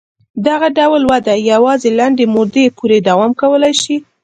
دغه ډول وده یوازې لنډې مودې پورې دوام کولای شي.